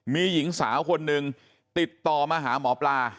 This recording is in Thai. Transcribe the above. มีหญิงสาวคนหนึ่งติดต่อมาหาหมอปลา